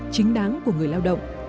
chính đáng của người lao động